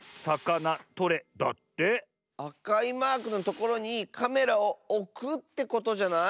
あかいマークのところにカメラをおくってことじゃない？